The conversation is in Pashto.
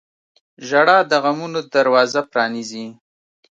• ژړا د غمونو دروازه پرانیزي.